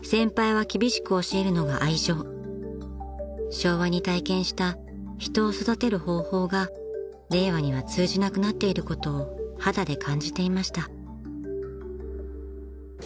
［昭和に体験した人を育てる方法が令和には通じなくなっていることを肌で感じていました］